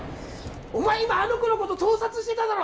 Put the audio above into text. お前、今あの子のこと盗撮してただろ！